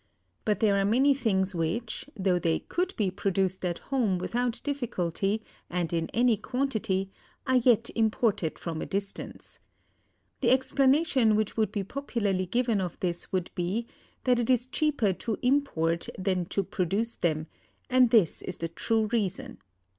But there are many things which, though they could be produced at home without difficulty, and in any quantity, are yet imported from a distance. The explanation which would be popularly given of this would be, that it is cheaper to import than to produce them: and this is the true reason.